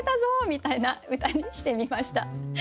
みたいな歌にしてみました。